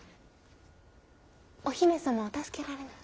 「お姫様を助けられない」。